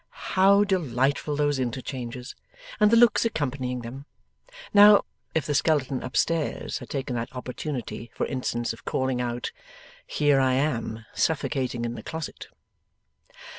How delightful those interchanges, and the looks accompanying them! Now, if the skeleton up stairs had taken that opportunity, for instance, of calling out 'Here I am, suffocating in the closet!